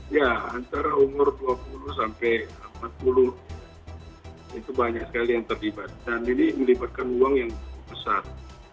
ya antara umur dua puluh sampai empat puluh itu banyak sekali yang terlibat dan ini melibatkan uang yang cukup besar